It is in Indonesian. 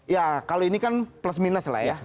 ya kalau ini kan plus minus lah ya